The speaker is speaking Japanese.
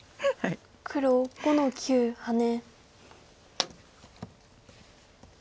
黒５の九ハネ。